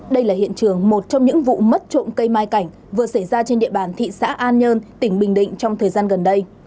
đây là hiện trường một trong những vụ mất trộm cây mai cảnh vừa xảy ra trên địa bàn thị xã an nhơn tỉnh bình định trong thời gian gần đây